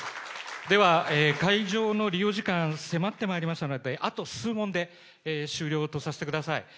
では、会場の利用時間、迫ってまいりましたので、あと数問で終了とさせてください。